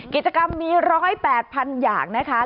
กิจกรรมมี๑๐๘๐๐๐อย่างนะคะ